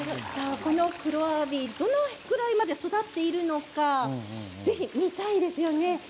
このクロアワビどれぐらいまで育っているのかぜひ見たいですよね。